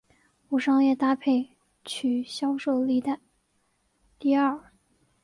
无商业搭配曲销售历代第二。